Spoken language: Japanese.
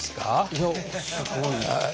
いやすごい。